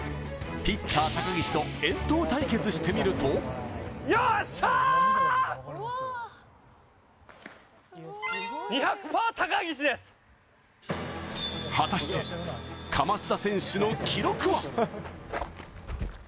ピッチャー・高岸と遠投対決してみると果たして、叺田選手の記録は？